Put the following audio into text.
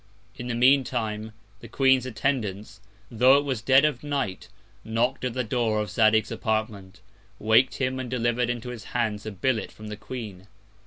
In the mean Time, the Queen's Attendants, tho' it was Dead of Night, knock'd at the Door of Zadig's Apartment, wak'd him, and deliver'd into his Hands a Billet from the Queen.